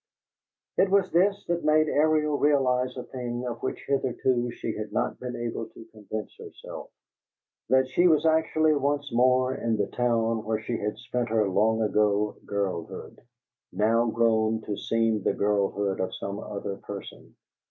It was this that made Ariel realize a thing of which hitherto she had not been able to convince herself: that she was actually once more in the town where she had spent her long ago girlhood; now grown to seem the girlhood of some other person.